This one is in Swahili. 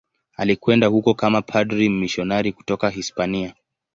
Alikwenda huko kama padri mmisionari kutoka Hispania.